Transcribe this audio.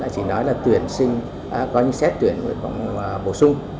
chỉ nói là tuyển sinh có những xét tuyển bổ sung